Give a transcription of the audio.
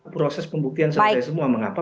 proses pembuktian selesai semua mengapa